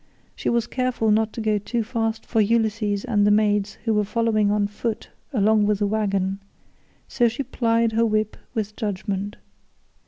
She was careful not to go too fast for Ulysses and the maids who were following on foot along with the waggon, so she plied her whip with judgement.